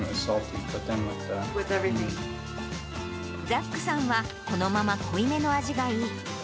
ザックさんは、このまま濃いめの味がいい。